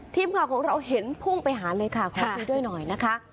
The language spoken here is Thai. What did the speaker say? ทีมข่าวของเราเห็นพุ่งไปหาเลยค่ะขอคุยด้วยหน่อยนะคะ